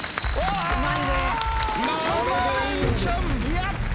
やった！